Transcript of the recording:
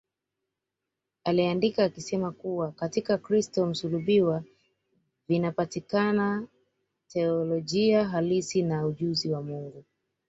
Aliandika akisema kuwa Katika Kristo msulubiwa vinapatikana teolojia halisi na ujuzi wa Mungu